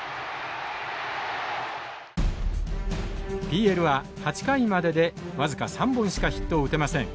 ＰＬは８回までで僅か３本しかヒットを打てません。